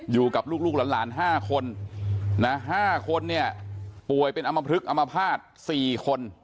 อยู่กับลูกลูกหลานหลานห้าคนนะห้าคนเนี้ยป่วยเป็นอัมพฤษอัมพาตสี่คน